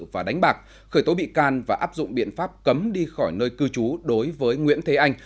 và đánh bạc khởi tố bị can và áp dụng biện pháp cấm đi khỏi nơi cư trú đối với nguyễn thế anh